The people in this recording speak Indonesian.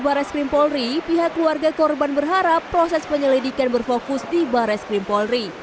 barres krim polri pihak keluarga korban berharap proses penyelidikan berfokus di barres krim polri